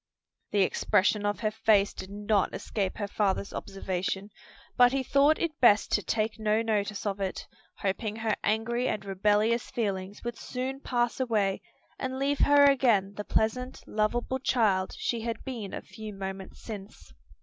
The expression of her face did not escape her father's observation, but he thought it best to take no notice of it, hoping her angry and rebellious feelings would soon pass away and leave her again the pleasant, lovable child she had been a few moments since.